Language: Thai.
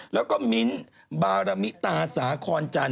แล้วก็มิ้นต์บารมิตราสาครจรรย์